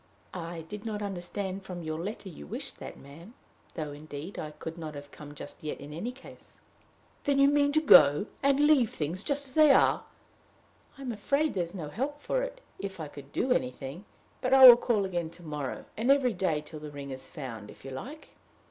"I did not understand from your letter you wished that, ma'am though, indeed, I could not have come just yet in any case." "Then you mean to go, and leave things just as they are?" "I am afraid there is no help for it. If I could do anything . But I will call again to morrow, and every day till the ring is found, if you like."